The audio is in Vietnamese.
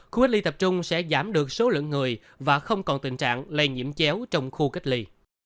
khu cách ly tập trung sẽ giảm được số lượng người và không còn tình trạng lây nhiễm chéo trong khu cách ly